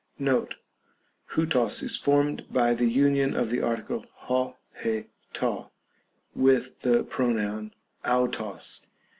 Note, ovTos is formed by the union of the article 6, 17, to, witli the pronoun avros.